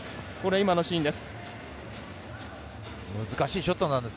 今のシーンです。